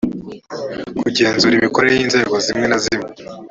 kugenzura imikorere y’inzego zimwe na zimwe